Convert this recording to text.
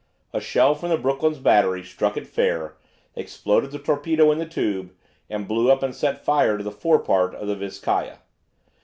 A shell from the "Brooklyn's" battery struck it fair, exploded the torpedo in the tube, and blew up and set fire to the forepart of the "Vizcaya."